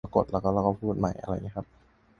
หลักคือ ภาษีต้องเป็นธรรม